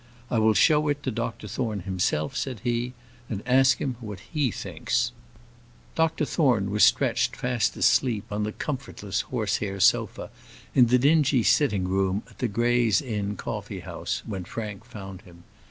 "I will show it Dr Thorne himself," said he, "and ask him what he thinks." Dr Thorne was stretched fast asleep on the comfortless horse hair sofa in the dingy sitting room at the Gray's Inn Coffee house when Frank found him.